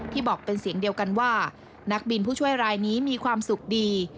บอกเป็นเสียงเดียวกันว่านักบินผู้ช่วยรายนี้มีความสุขดี